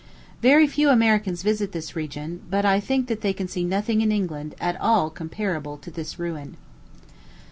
Very few Americans visit this region; but I think that they can see nothing in England at all comparable to this ruin.